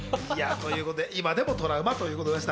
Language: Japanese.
今でもトラウマということでした。